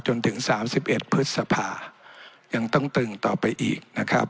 จนถึงสามสิบเอ็ดพฤษภายังต้องตึงต่อไปอีกนะครับ